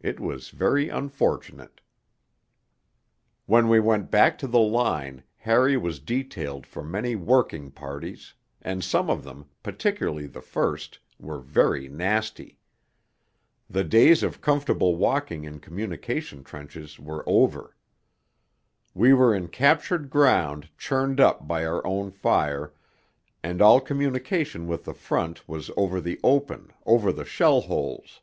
It was very unfortunate. III When we went back to the line, Harry was detailed for many working parties; and some of them, particularly the first, were very nasty. The days of comfortable walking in communication trenches were over. We were in captured ground churned up by our own fire, and all communication with the front was over the open, over the shell holes.